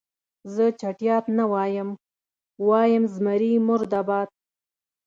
زه چټیات نه وایم، وایم زمري مرده باد.